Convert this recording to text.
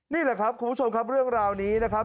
นี่แหละครับคุณผู้ชมครับเรื่องราวนี้นะครับ